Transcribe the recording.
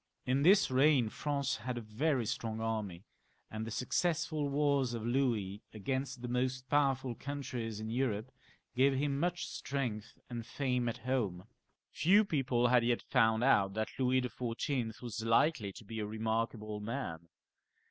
In this reign France had a very strong army, and the successful wars of Louis against the most powerful countries in Europe gave him much strength and fame at home. Few people had yet found out that Louis XIV. was likely to be a remarkable man.